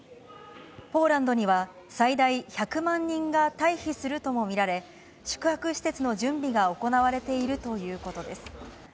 ポーランドには、最大１００万人が退避するとも見られ、宿泊施設の準備が行われているということです。